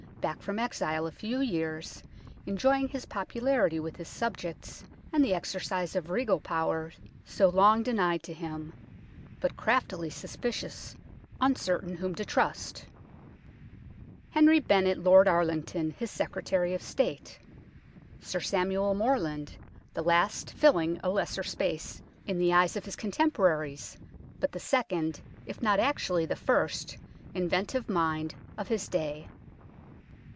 back from exile a few years, enjoying his popularity with his subjects and the exercise of regal power so long denied to him, but craftily suspicious, uncertain whom to trust ; Henry Benet Lord Arlington, his Secretary of State ; Sir Samuel Morland the last filling a lesser space in the eyes of his A LOST INVENTION 203 contemporaries, but the second, if not actually the first, inventive mind of his day.